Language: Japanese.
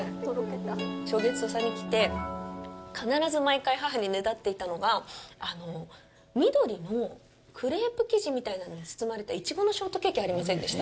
松月堂さんに来て必ず毎回母にねだっていたのが緑のクレープ生地みたいなのに包まれたいちごのショートケーキありませんでした？